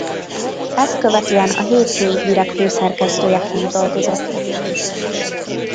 Ezt követően a Hétfői Hírek főszerkesztőjeként dolgozott.